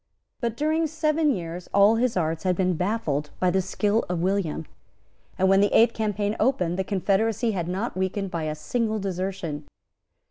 But, during seven years, all his arts had been baffled by the skill of William; and, when the eighth campaign opened, the confederacy had not been weakened by a single desertion.